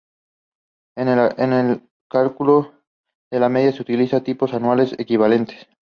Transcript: En el cálculo de la media se utilizan tipos anuales equivalentes.